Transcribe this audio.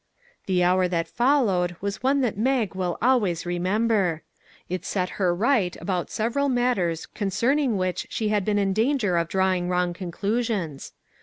The hour that followed was one that Mag will always remember. It set her right about several mat ters concerning which she had been in danger of drawing wrong conclusions.